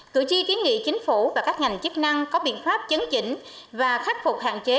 cử tri kiến nghị chính phủ và các ngành chức năng có biện pháp chấn chỉnh và khắc phục hạn chế